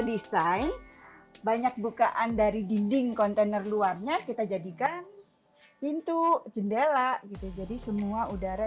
desain banyak bukaan dari dinding kontainer luarnya kita jadikan pintu jendela gitu jadi semua udara